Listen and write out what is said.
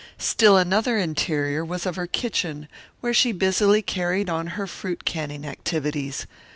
Still another interior was of her kitchen where she busily carried on her fruit canning activities.